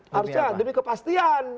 harusnya demi kepastian